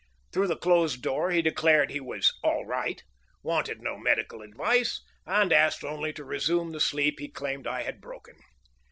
Through the closed door he declared he was "all right," wanted no medical advice, and asked only to resume the sleep he claimed I had broken.